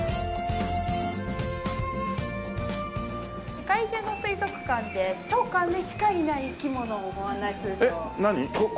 世界中の水族館で当館にしかいない生き物をご案内すると。